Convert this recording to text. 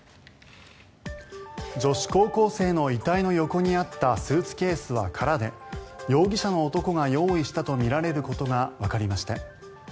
女子高校生の遺体の横にあったスーツケースは空で容疑者の男が用意したとみられることがわかりました。